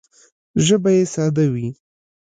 ژبه یې ساده وي